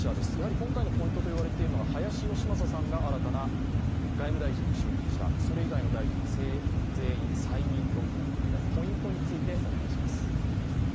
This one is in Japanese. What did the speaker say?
今回のポイントは林芳正さんが新たな外務大臣に就任した、それ以外の大臣は全員再任ということでポイントについてお願いします。